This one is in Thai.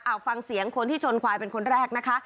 เอาฟังเสียงคนที่ชนควายเป็นคนแรกนะคะ